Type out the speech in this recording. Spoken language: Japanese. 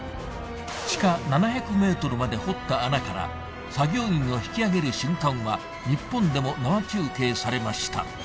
地下７００ｍまで掘った穴から作業員を引き上げる瞬間は日本でも生中継されました